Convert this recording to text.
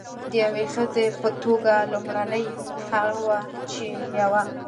د یوې ښځې په توګه لومړنۍ هغه وه چې یوه.